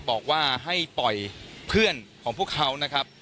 บอกว่าให้ปล่อยเพื่อนของพวกเขานะครับ